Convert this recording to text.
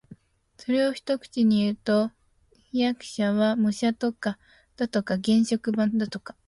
それを一口にいうと、飜訳者は模写だとか原色版だとか